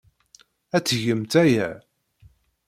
Ad tgemt aya.